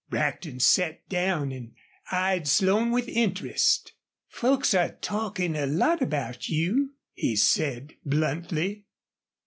Brackton sat down and eyed Slone with interest. "Folks are talkin' a lot about you," he said, bluntly.